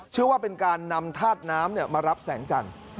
เชื่อว่าเป็นการนำธาตุน้ำมารับแสงจันทร์